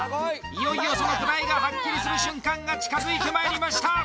いよいよその答えがハッキリする瞬間が近づいてまいりました